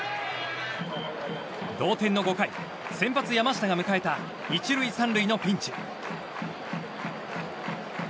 同点の５回先発、山下が迎えた１塁３塁のピンチ。